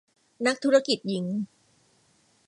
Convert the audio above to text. นักธุรกิจหญิง